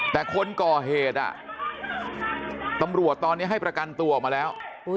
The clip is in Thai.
แต่คนก่อเหตุตำรวจตอนนี้ให้ประกันตัวออกมาแล้ว